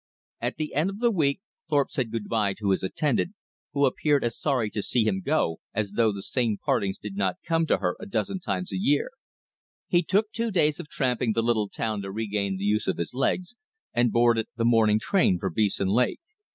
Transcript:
At the end of the week Thorpe said good by to his attendant, who appeared as sorry to see him go as though the same partings did not come to her a dozen times a year; he took two days of tramping the little town to regain the use of his legs, and boarded the morning train for Beeson Lake.